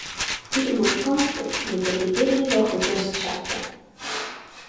It would conflict with the beginning of the first chapter.